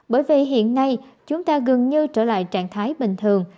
bởi vì hiện nay chúng ta gần như trở lại trạng thái bình thường